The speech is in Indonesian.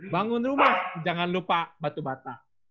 bangun rumah jangan lupa batu bata